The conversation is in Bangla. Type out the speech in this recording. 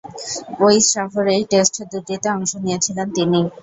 ঐ সফরেই টেস্ট দুটিতে অংশ নিয়েছিলেন তিনি।